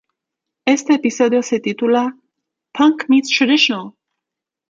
Este episodio se titula ""Punk Meets Traditional"".